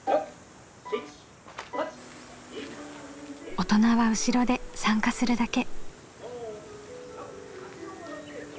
大人は後ろで参加するだけ。